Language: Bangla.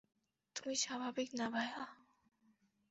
তুমি স্বাভাবিক না, ভায়া।